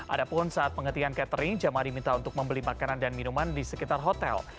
ada pun saat pengertian catering jamaah diminta untuk membeli makanan dan minuman di sekitar hotel